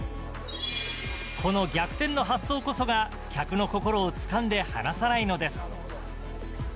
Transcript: この逆転の発想こそが客の心をつかんで離さないのです。